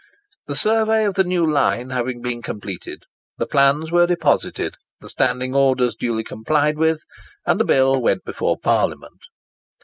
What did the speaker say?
The survey of the new line having been completed, the plans were deposited, the standing orders duly complied with, and the bill went before Parliament.